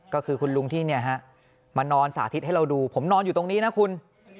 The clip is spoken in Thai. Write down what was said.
ก็คือคุณลุงที่มานอนสาธิตให้เราดูผมนอนอยู่ตรงนี้นะคุณ